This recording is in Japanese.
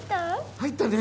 入ったね。